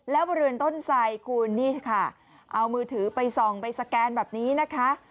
แล้วบริเวณต้นไสคุณนี่ค่ะเอามือถือไปส่องไปสแกนแบบนี้นะคะ